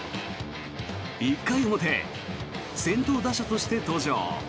１回表、先頭打者として登場。